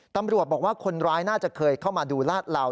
ตำรวจบอกว่าคนร้ายน่าจะเคยเข้ามาดูลาดเหลา